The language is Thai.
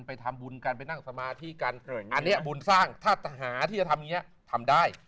ไปทำบุญกันไปนั่งสมาธิกันอันนี้บุญสร้างถ้าหาที่จะทำอย่างนี้ทำได้